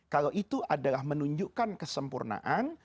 kalau itu adalah menunjukkan kesempurnaan